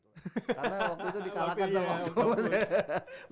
karena waktu itu di kalahkan sama octopus